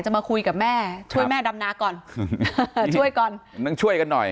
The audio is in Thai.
มาคุยกับแม่ช่วยแม่ดำนาก่อนช่วยก่อนนั่งช่วยกันหน่อย